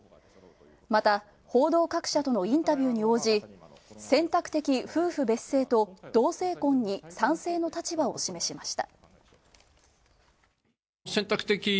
また、報道各社とのインタビューに応じ、選択的夫婦別姓と同性婚に賛成の立場を示しました。